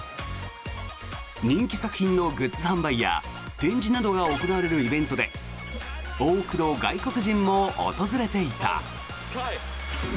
人気作品のグッズ販売や展示などが行われるイベントで多くの外国人も訪れていた。